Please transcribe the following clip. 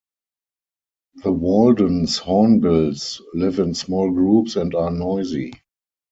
The Walden's hornbills live in small groups and are noisy.